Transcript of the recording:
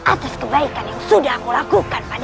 atas kebaikan yang sudah aku lakukan pada